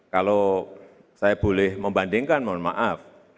kalau saya boleh membandingkan mohon maaf